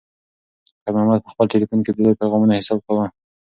خیر محمد په خپل تلیفون کې د لور د پیغامونو حساب کاوه.